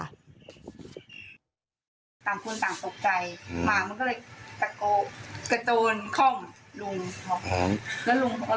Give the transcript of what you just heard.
ต่างคุณต่างตกใจหมามันก็เลยกระโจนค่องลุงเขา